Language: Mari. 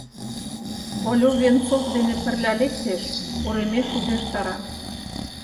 Олю Венцов дене пырля лектеш, уремеш увертара: